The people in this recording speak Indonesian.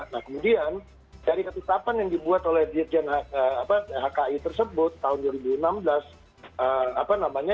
nah kemudian dari ketetapan yang dibuat oleh dirjen hki tersebut tahun dua ribu enam belas apa namanya